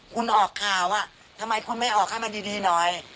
คุณออกข่าวอะทำไมคุณไม่ออกเข้ามาดีหน่อย